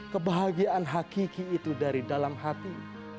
kebahagiaan hakiki itu dari dalam hati